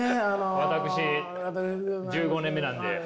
私１５年目なんで。